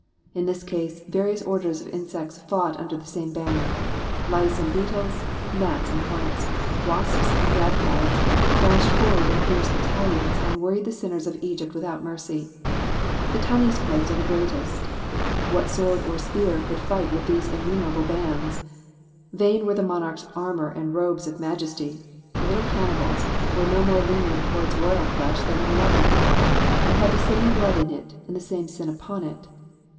In this case, various orders of insects fought under the same banner ; lice and beetles, gnats and hornets, wasps and gadfiiea dashed forward in fierce battalions, and worried the sinners of Egypt without Digitized by VjOOQIC PSALM THE SEVENTY EIGHTH. 445 mercy. The tiniest plagues are the greatest. What sword or spear could fight with these innumerable bands? Vain were the monarch's armour and robes of mdjt'siy, the little cannibals were no more lenient towards royal flesh than any oiher ; it had the same blood in it, and the same sin upon it.